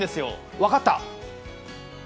分かった！